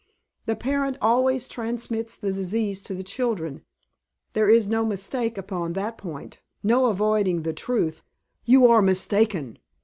The parent always transmits the disease to the children. There is no mistake upon that point; no avoiding the truth " "You are mistaken!"